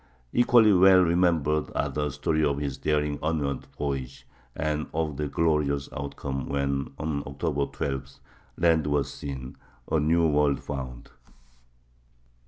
Equally well remembered are the story of his daring onward voyage, and of the glorious outcome when, on October 12, land was seen,—a new world found.